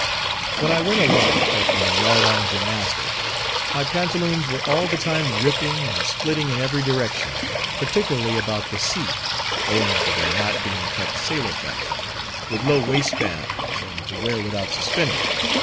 When I went aloft, at my yard arm gymnastics, my pantaloons were all the time ripping and splitting in every direction, particularly about the seat, owing to their not being cut sailor fashion, with low waistbands, and to wear without suspenders.